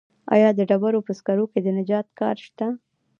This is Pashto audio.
آیا د ډبرو په سکرو کې د نجار کار شته